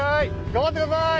頑張ってください！